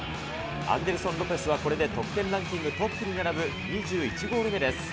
アンデルソン・ロペスは、これで得点ランキングトップに並ぶ２１ゴール目です。